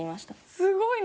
すごいね！